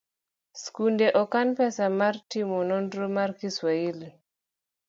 skunde okan pesa mar timo nonro mar kiswahili.